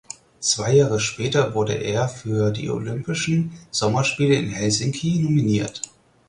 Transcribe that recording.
Zwei Jahre später wurde er für die Olympischen Sommerspiele in Helsinki nominiert.